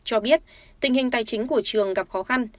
cho biết tình hình tài chính của trường gặp khó khăn